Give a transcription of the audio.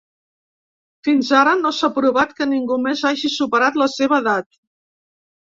Fins ara, no s’ha provat que ningú més hagi superat la seva edat.